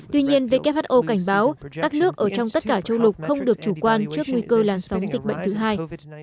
tuy nhiên who cảnh báo các nước ở trong tất cả châu lục không được chủ quan trước nguy cơ làn sóng dịch bệnh thứ hai